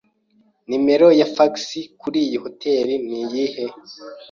Numero ya fax kuriyi hoteri niyihe?